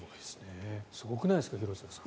すごくないですか廣津留さん。